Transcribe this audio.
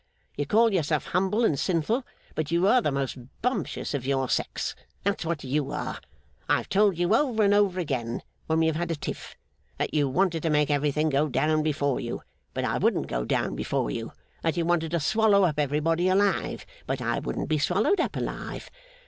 You call yourself humble and sinful, but you are the most Bumptious of your sex. That's what you are. I have told you, over and over again when we have had a tiff, that you wanted to make everything go down before you, but I wouldn't go down before you that you wanted to swallow up everybody alive, but I wouldn't be swallowed up alive.